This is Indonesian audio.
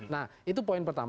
nah itu poin pertama